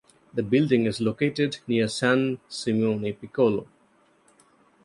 The building is located near San Simeone Piccolo.